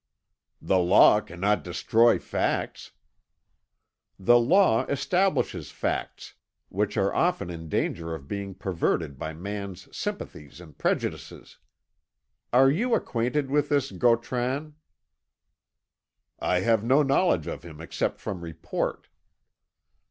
"The law cannot destroy facts." "The law establishes facts, which are often in danger of being perverted by man's sympathies and prejudices. Are you acquainted with this Gautran?" "I have no knowledge of him except from report."